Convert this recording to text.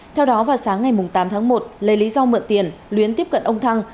theo đó vào sáng ngày tám tháng một lấy lý do mượn tiền luyến tiếp cận ông thăng